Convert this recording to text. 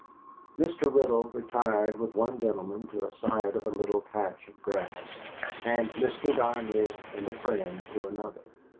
Mr. Riddle retired with one gentleman to a side of the little patch of grass, and Mr. Darnley and a friend to another.